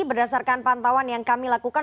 berdasarkan pantauan yang kami lakukan